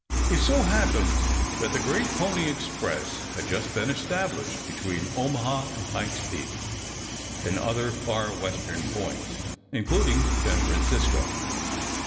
It so happened that the great Pony Express had just been established between Omaha and Pike's Peak, and other far Western points, including San Francisco.